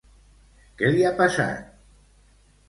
Què li ha passat?